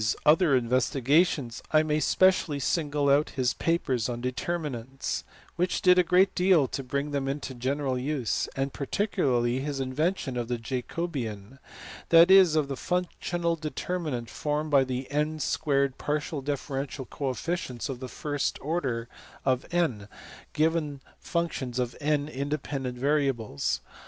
465 Among Jacobi s other investigations I may specially single out his papers on determinants, which did a great deal to bring them into general use ; and particularly his invention of the Jacobian, that is, of the functional determinant formed by the n a partial differential coefficients of the first order of n given functions of n independent variables.